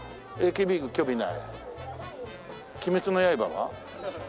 『鬼滅の刃』は？